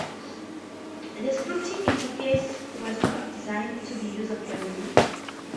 The scripting interface was not designed to be user-friendly.